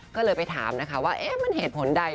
ก็เลยไปถามนะคะว่ามันเหตุผลใด